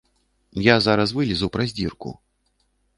Я зараз вылезу праз дзірку.